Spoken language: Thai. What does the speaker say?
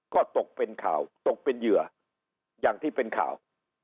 ก็ตกเป็นข่าวตกเป็นเหยื่ออย่างที่เป็นข่าว